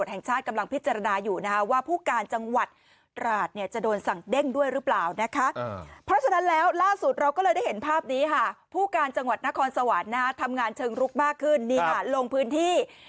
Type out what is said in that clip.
เชิงลุกมากขึ้นนี่ค่ะลงพื้นที่